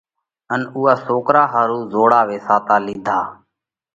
ان اُوئا سوڪرا ۿارُو زوڙا ويساتا لِيڌا